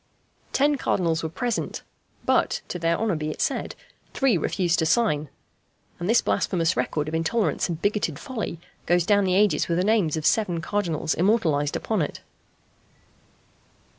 Ten Cardinals were present; but, to their honour be it said, three refused to sign; and this blasphemous record of intolerance and bigoted folly goes down the ages with the names of seven Cardinals immortalized upon it.